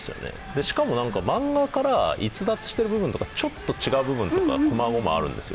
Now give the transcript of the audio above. しかも、漫画から逸脱している部分とか、ちょっと違う部分もあるんですよ。